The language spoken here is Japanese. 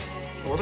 私。